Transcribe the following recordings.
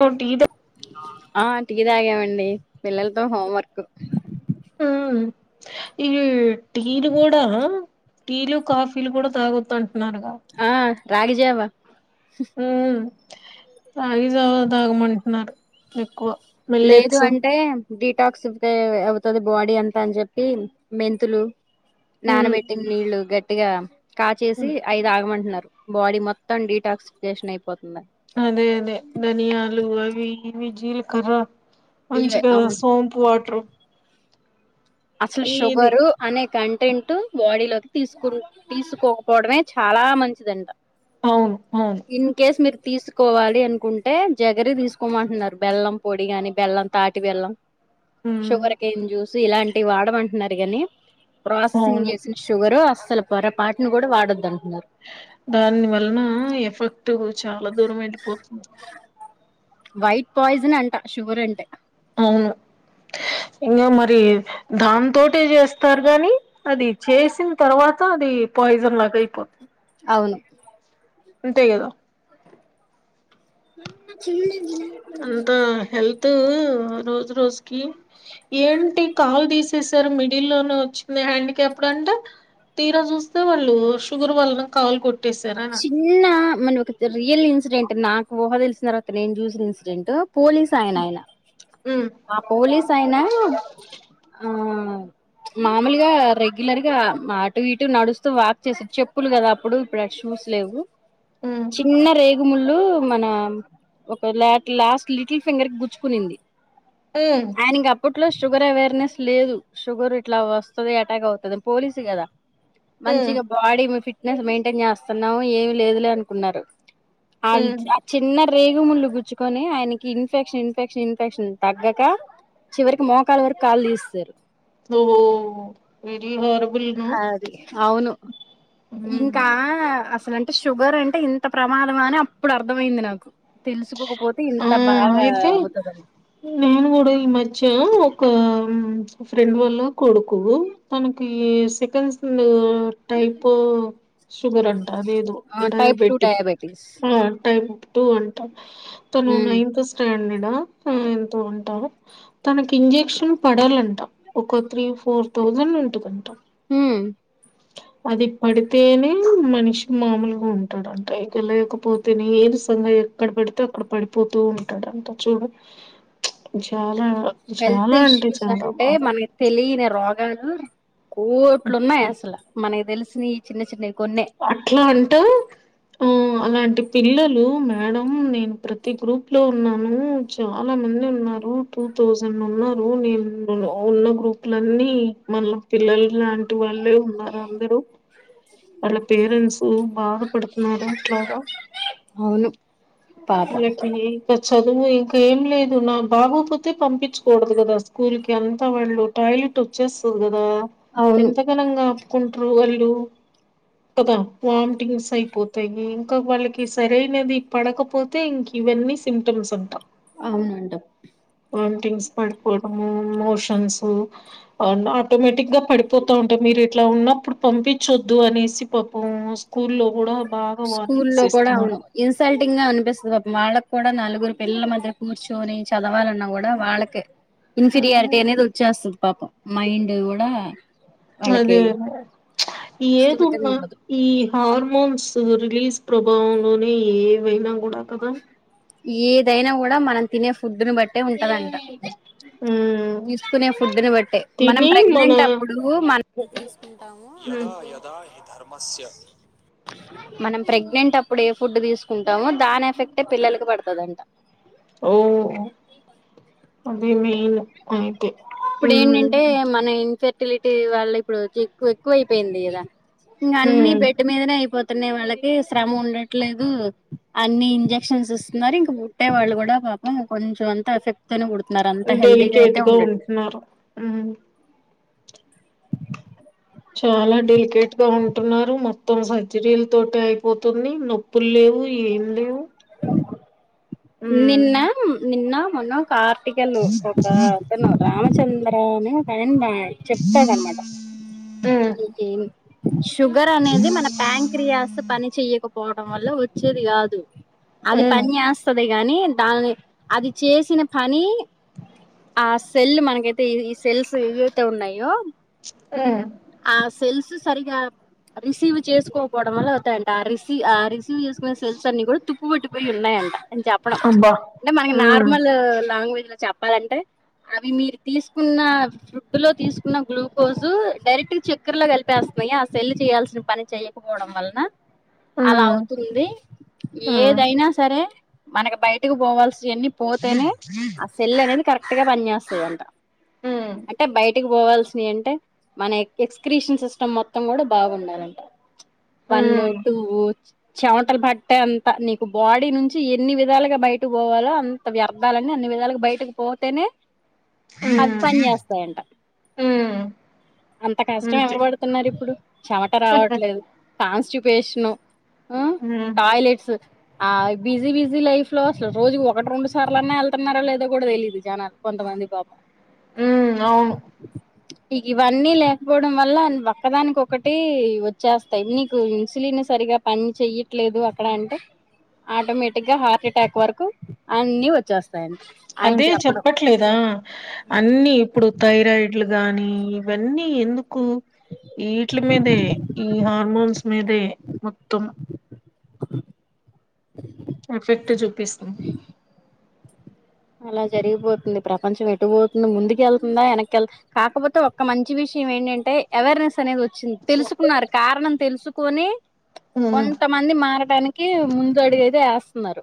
హొ డీదా ఆ టీ తాగామండి పిల్లలతో హోంవర్క్ ఉ ఇవి టీరు కూడా టీలు, కాఫీలు కూడా తాగొద్దు అంటున్నారుగా ఆ రాగిజావ ఉ రాగిజవా దాగమంటున్నారు ఎక్కువ మీలెట్స్ డిటాక్స్ తెవే అవుతుంది బాడీ అంతా అని చెప్పి మెంతులు నానబెట్టిన నీళ్లు గట్టిగా కాచేసి ఐ తాగమంటున్నారు బాడీ మొత్తం డీటాక్సిఫికేషన్ అయిపోతుంది. అదే అదే ధనియాలు అవి ఇవి జీలకర్ర ఇవే మంచిగా అవును సోంపు వాటరు అసలు ఇది షుగరు అనే కంటెంట్ బాడీలోకి తీసుకున్ తీసుకోకపోవడమే చాలా మంచిదంట. అవును అ ఇన్కేస్ మీరు తీసుకోవాలి అనుకుంటే జగరి తీసుకోమంటున్నారు బెల్లం పొడి గాని, బెల్లం తాటి బెల్లం హ షుగర్కెన్ జ్యూస్ ఇలాంటివి వాడమంటున్నారు గన్నీ ప్రాసెసింగ్ అవును జెస్సు షుగరు అస్సల పొర పాటిని కూడా వాడొద్దు అంటున్నారు. దాని వలన ఎఫెక్ట్ చాలా దూరం వెళ్ళపోతుంది. వైట్ పాయిజన్ అంటా షుగర్ అంటే అవును ఇంకా మరి దాని తోటే చేస్తారు గాని అది చేసిన తర్వాత అది పాయిజన్ లాగా అయిపోతు అవును అంటేగద చిన్న అంత హెల్త్ రోజు రోజుకి ఏంటి కాలు తీససారు మిడిల్ లోనే వచ్చింది హ్యాండిక్యాప్డ్ అంట తీరా చూస్తే వాళ్ళు షుగర్ వాళ్ళను కావలు కొట్టేసారు అని అన్ నిన్న మన ఒక రియల్ ఇన్సిడెంట్ నాకు ఊహ తెలిసిన తర్వాత నేను చూసిన ఇన్సిడెంట్ పోలీస్ తాయన ఆయన ఉమ్ ఆ పోలీస్ అయిన ఆ మామూలుగా రెగ్యులర్ గా మా అటు ఇటు నడుస్తూ వాక్ చేసారు. చెప్పులు కదా అప్పుడు, ఇప్పుడ షూస్ లేవు ఉమ్ చిన్న రే గుముళ్ళు మన ఒక లాట్ లాస్ట్ లిటిల్ ఫింగర్ కి గుచ్చుకునింది. మ్ ఆయనకి అప్పట్లో షుగర్ అవేర్నెస్ లేదు షుగర్ ఇట్లా వస్తది అటాక్ అవుతది, పోలీసు కదా ఉమ్ మంచిగా బాడీ ఇంగ ఫిట్నెస్ మెయింటైన్ చేస్తున్నవు ఏమి లేదులే అనుకున్నారు అయి ఉమ్ జా చిన్న రేగుముళ్ళు గుచ్చుకొని ఆయనకి ఇన్ఫెక్షన్ ఇన్ఫెక్షన్ ఇన్ఫెక్షన్ తగ్గక చివరికి మోకాలు వరకు కాలు తీసేశారు ఓ వెరీ హారిబుల్ నొ అది అవును ఇంకా అసలు అంటే షుగర్ అంటే ఇంత ప్రమాదమా అని అప్పుడు అర్థమయింది నాకు. తెలుసుకోకపోతే ఆ ఇంత బాగా అయితే అవుతదని నేను కూడా ఈ మధ్య ఒక ఫ్రెండ్ వాల్ల కొడుకు తనకి సెకండ్స్ లో టైపు షుగర్ అంట అదేదో type two diabetic diabetes type two అంట తను ఉమ్ నైన్త్ స్టాండర్డ ఎంతో ఉంటాడు తనకి ఇంజెక్షన్ పడాలంట ఒక త్రీ ఫోర్ థౌసండ్ ఉంటదంట. మ్ అది పడితేనే మనిషి మామూలుగా ఉంటాడంట. ఇక లేకపోతేనే ఏదో సన్నగ్ ఎక్కడ పెడితే అక్కడ పడిపోతూ ఉంటాడంట చూడు చాల చాలా అంటే చాలా బాద తెలీన రోగాలు కోట్లున్నాయి అసలు మనకి తెలిసిన ఈ చిన్న చిన్న కొన్నే అట్ల అంటూ ఆ అలాంటి పిల్లలు మేడం నేను ప్రతి గ్రూప్ లో ఉన్నాను చాలా మంది ఉన్నారు. టూ థౌజండ్ ఉన్నారు నేను ఉన్న గ్రూప్లన్నీ మళ్ళ పిల్లలు లాంటి వాళ్ళే ఉన్నారు అందరు వాళ్ళ పేరెంట్స్ బాధపడుతున్నారు అట్లాగ అవును పాపం వెకి ఏ ఇంక చదువు ఇంక ఏం లేదు. నా బాగోపోతే పంపించకూడదు కదా స్కూల్ కి అంతా వాళ్ళు. టాయిలెట్ వచ్చేస్తది కదా అవును ఎంతగనంగా ఆపుకుంటారు వాళ్ళు కదా వామిటింగ్స్ అయిపోతాయి ఇంకా వాళ్ళకి సరైనది పడకపో తే ఇంక ఇవన్నీ సిమ్టమ్స్ అంట అవునంట వామిటింగ్స్ పడిపోవడము మోషన్స్ ఆటోమేటిక్ గా పడిపోతా ఉంటె, మీరు ఇట్ల ఉన్నప్పుడు పంపించొద్దు అనేసి పాపం స్కూల్లో కూడ బాగా స్కూల్లో వార్నింగ్స్ కూడా ఇస్తున్నారు. అవును ఇన్సల్టింగ్ గా అనిపిస్తది. వాళ్ళకి కూడ నలుగురు పిల్లల మధ్య కూర్చొని చదవాలన్నా కూడా వాళ్ళకే ఇన్ఫీరియారిటీ అనేది వచ్చేస్తది పాపం మైండ్ కూడ అదే స్థిమితంగా ఏదున్నా ఉండదు ఈ హార్మోన్స్ రిలీజ్ ప్రభావంలోనే ఏవైనా కూడా కదా ఏదైనా కూడా మనం తినే ఫుడ్ని బట్టే ఉంటదంట ఉమ్ తీసుకునే ఫుడ్ని బట్టే మనం తిని మన ప్రెగ్నెంట్ అప్పుడు మన్ ఉంటాము ఉమ్ మనం ప్రెగ్నెంట్ అప్పుడు ఏ ఫుడ్ తీసుకుంటామో దాని ఎఫెక్టె పిల్లలకు పడతదంటా ఓ అది మైన్ అంతె ఇప్పుడు ఏంటంటే మనం ఇన్ఫె టిలిటి వాళ్ళిప్పుడు వచ్చి ఎక్ ఎక్కువ అయిపోయింది కదా ఇంకా అన్ని ఉమ్ బయట మీదనే అయిపోతున్నాయి వాళ్ళకి శ్రమ ఉండట్లేదు అన్ని ఇంజక్షన్స్ ఇస్తున్నారు ఇంక పుట్టే వాళ్ళు కూడా పాపం కొంచెం అంతా ఎఫెక్ట్ తోని పుడుతున్నారు అంత హెల్దీగా అయితే ఉండట్లేదు ఊ చాలా డెలికేట్ గా ఉంటున్నారు మొత్తం సర్జరీల తోటి అయిపోతుంది నొప్ నోప్పులు లేవు ఏం లేవు ఉమ్ నిన్న నిన్న మోన్న ఒక కార్టికల్ ఒక రామచంద్ర అని ఒక ఆయన చెప్తాడనమాట షుగర్ అనేది మన ప్యాంక్రియాస్ ఉమ్ పని చెయకపోవడం వల్ల వచ్చేది కాదు అది ఉమ్ పని చేస్ వస్తది గాని దాని అది చేసిన పని ఆ సెల్ మనకైతే ఈ సెల్స్ ఏవైతే ఉన్నాయో ఉ ఆ సెల్స్ సరిగా రిసీవ్ చేసుకోపోవడం వల్ల అవుతాయంట ఆ రిస్ ఆ రిసి చేసుకునే స్వెల్స్ అన్ని కూడా తుప్పు పట్టిపోయి ఉన్నాయంట అని చెప్ అబ్బా అంటే మనకి మ్మ్ నార్మల్ లాంగ్వేజ్ లో చెప్ ప్పలంటే అవి మీరు తీసుకున్న ఫుడ్ లో తీసుకున్న గ్లూకోజు డైరెక్ట్ చక్కర్లో కలిపేస్తున్నాయి ఆ సెల్లు చేయాల్సిన పని చెయకపోవడం వల్లన అలా మ్మ్ అవుతుంది మ్మ్ ఏదైనా సరే మనకి బయటకు పోవాల్సినయన్ని పోతేనే ఆ సెల్ అనేది కరెక్ట్ గా పని చేస్తదంట మ్మ్ అంటే బయటికి పోవాల్సినయంటే మన ఎక్స్క్ర్రిషన్ సిస్టమ్ మొత్తం కూడా బాగుండాలంట వన్ మ్మ్ టూ చమటలు పట్టే అంతా నీకు బాడీ నుంచి ఎన్ని విధాలుగా బయటకు పోవాలో అన్ వ్యర్థాలన్నీ అన్ని విధాలుగా బయటకు పోతేనే మ్మ్ అవ్ పని చేస్తాయంట మ్మ్ అంత కష్టం అంతే ఎవ్వరు పడుతున్నారు ఇప్పుడు చెమట రావట్లేదు కాన్స్టిపేషను ఉ మ్మ్ మ్మ్ టాయ్లెట్స్ ఆ బిజీ బిజీ లైఫ్ లో అసలు రోజు ఒకటి రెండు సార్లు అన్నా వెళ్తున్నారా లేదో కూడా తెలీదు జనాలు కొంతమంది పాపం ఉ అవును ఇగా ఇవన్నీ లే లేకపోవడం వల్ల ఒక్కదానికి ఒకటి వచ్చేస్తాయి నీకు ఇన్సులిన్ సరిగా పని చెయ్యి లేదు అక్కడ అంటే ఆటోమేటిక్ గా హార్ట్ అటాక్ వరకు అన్ని వచ్చేస్తాయి అదే చెప్పట్లేదా అన్ని ఇప్పుడు థైరాయిడ్ గాని ఇవన్నీ ఎందుక్. కు ఈట్లే మీదే ఈ హార్మోన్స్ మీదే మొత్తం. ఎఫెక్ట్ చూపిస్తుం. అలా జరిగిపోతుంది ప్రపంచం ఎటు పోతుంది ముందుకు వెళ్తుందా వెనక్కి వెళ్. కాకపోతే ఒక్క మంచి విషయం ఏంటంటే అవేర్నెస్ అనేది వచ్. తెలుసుకున్నారు కారణం తెలుసుకొని మ్మ్ కొంతమంది మారటనికి. ముందు అడగతే వేస్తున్నారు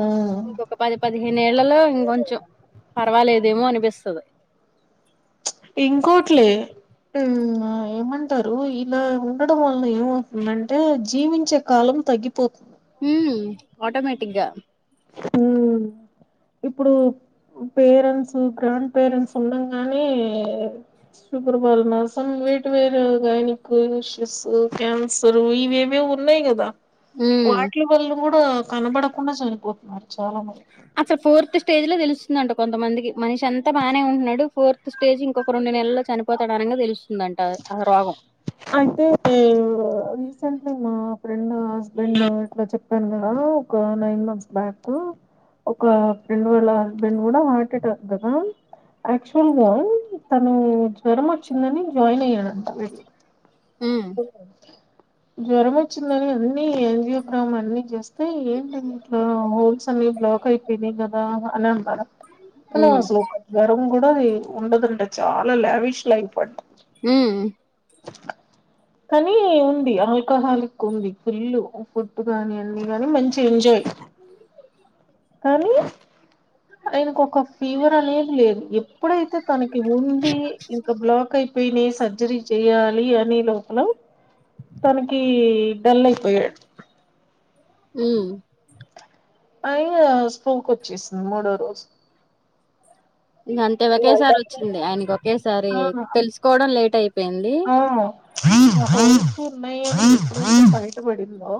మ్మ్ ఇంకొ పది పదిహెంకి. న్నేళ్లలో ఇంకొంచెం పర్వాలేదేమో అనిపిస్తది. ఇంకోటిలే. ఏమంటారు ఇలా ఉండడం వల్ల ఏమతుందంటే జీవించ. కాలం తగ్గిపోతుంది. హ ఆటోమేటిక్ గా. హ ఇప్పుడు పేరెంట్స్ గ్రాండ్ పేరెంట్స్ ఉండంగానే. శుక్రబాలన్నాస వే వేర గైనిక్ ఇష్యూస్ క్యాన్. సరూ ఇవేవో ఉన్నాయి కదా. ఉ. వాటిల వల్లన కూడా కనబడకుండా చనిపోతున్నారు చాలా మంది. అసలు ఫోర్త్ స్టేజ్ లో తెలుస్తుందింట కొంత మంది మనిషి అంత బాగానే ఉంటున్నాడు ఫోర్త్ స్టేజ్ ఇంక రెండు నెలలో. చనిపోతాడ అనగా తెలుస్తుందంట ఆ రోగం. అంటే టే. మా ఫ్రెండ్ హస్బెండ్ ఇట్లా చెప్పాను కదా ఒక నైన్ మన్స్ బ్యాక్. ఒక బెండు వాళ్ళ బెండు కూడా మావెన్టిటా వస్తదా. యాక్చువల్గా తను జ్వరం వచ్చిందని జాయిన్ అయ్యాడంట. హ. జ్వరం వచ్చిందని అన్ని ఎంజో గ్రామ్ అన్ని చేస్. అయితే ఏంటి ఇట్లో హోల్స్ అన్ని బ్లాక్ అయిపోయినాయి కదా అని అన్నారంట. తల హ్మ్ అసలు ఒక జరం కూడా ఉండదండి చాలా లావిష్ లైఫ్ అంట. హ. కానీ ఉంది ఆల్కహాలిక్ ఉంది ఫుల్ ఫుడ్ గాని అన్ని గాని మంచి ఎంజాయ్. కానీ. ఆయనకు ఒక ఫీవర్ అనేది లేదు ఎప్పుడైతే తనకి ఉంది. ఇంక బ్లాక్ అయిపోయినా సర్జరీ చెయాలి అని. నీ లోపల తనకి డల్ అయిపోయాడు. ఉ. అయ స్కూల్ కు వచ్చేసింది మూడో రోజు. ఇంక అంతే ఒకేసారి వచ్చింది ఆయనకి ఒకేసారి తెలుసుకోవడం లేట్ అయిపోయింది. ఆయనకు ఉన్నయ్ అని బయటపడిందొ.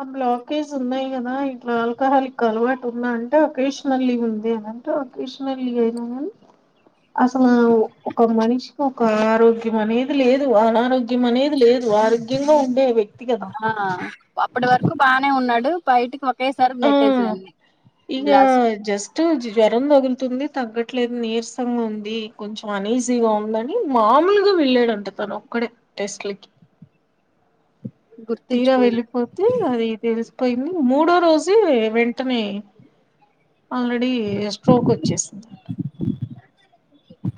ఆ బ్లాకేజ్ ఉన్నాయి కదా ఇట్లా ఆల్కహాల్ ఇక్ అలవాటు ఉన్నా అంటే ఒకేషనల్లీ ఉంది అ. లోకేశ్వరి లేరా అసలు ఒక మనిషికోక్. ఆరోగ్యం అనేది లేదు అనారోగ్యం అనేది లేదు ఆరోగ్యంగా ఉండే వ్యక్తి కదా. ఆ అప్పటి వరకు బానే ఉన్నాడు బయటికి ఒక్. కేైసార్ ఆ నెట్టేసేయండి ఇక బ్లాస్ట్. జస్ట్ జ్వరం తగులుతుంది తగ్గట్లేదు నీరసంగా ఉంది కొంచెం అన్ ఈజీగా ఉందం. మామూలుగా వెళ్ళాడంట తను ఒక్కడే టెస్టులుకి గు తీర వెళ్ళిపోతే అది తెలిసిపోయింది మూడో రోజు వెంటనే ఆల్రెడీ స్ట్రోక్ వచ్చేసిం [unintelligible]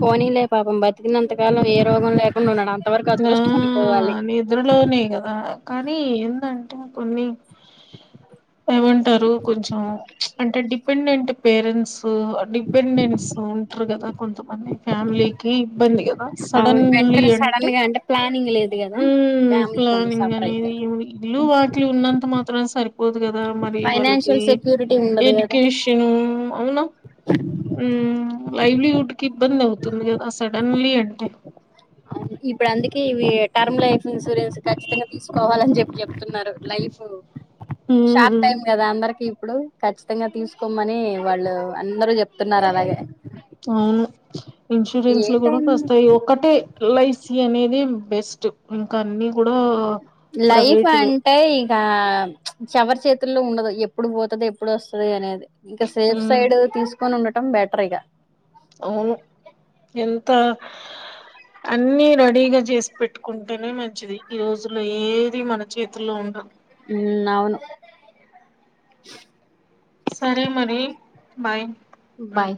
పోనీలే పాపం బతికినంతకాలం ఏ రోగం లే [unintelligible] అంతవరకు ఆ అదృష్టం అనుకోవాలి నిద్రలోనే కదా కానీ ఏందంటే [unintelligible] ఏమంటారు కొంచెం అంటే డిపెండెంట్ పేరెంట్స్ డిపెండెంట్స్ కదా కొంతమంది ఫ్యామిలీకి ఇబ్బంది కదా అవును సడన్లీ వెంటనే సడన్ అంటే గా ప్లానింగ్ లే ఉ ప్లానింగ్ అనేది ఇల్లు వాటిలు ఉన్నంత మాత్రం [unintelligible] పోదు కదా మరి వాళ్ళకి ఫైనాన్షియల్ సెక్యూరిటీ ఉండదు కదా ఎడ్యుకేషన్ అవున లైవ్లీ హుడ్ కి ఇబ్బంది అవుతుంది కదా సడన్లీ అంటే అ అవును ఇప్పుడు అందుకే ఇవి టర్మ్ లైఫ్ ఇన్సూరెన్స్ ఖచ్చితంగా తీసుకోవాలని చెప్పి చెప్తున్నారు లైఫ్ షాప్ మ్మ్ టైం కద అందరకి ఇప్పుడు ఖచ్చితంగా తీసుకోమ్మనే వాళ్ళు అందరు చెప్తున్నారు అలాగే అవును ఇన్సూరెన్స్ ఏ లో కూడ టైం [unintelligible] ఒకటే ఎల్ఐసి అనేది బెస్ట్ ఇంకా అన్ని కూడా లైఫ్ ప్రైవేట్వే అంటే ఇక ఎవరి చేతుల్లో ఉండదు ఎప్పుడు పోతది ఎప్పుడు వస్తాది అనేది ఇంకా సేఫ్ ఉమ్ సైడ్ తీసుకొని ఉండటం బెటర్ ఇగ అవును ఎంత అన్ని రెడీగా చేసి పెట్టుకుంటేనే మంచిది ఈ రోజుల్లో ఏది మన చేతుల్లో ఉండవ్ ఉ అవును సరే మరి బాయ్ ఉమ్ బాయ్